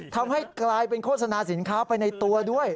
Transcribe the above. ทำให้กลายเป็นโฆษณาสินค้าไปในตัวด้วย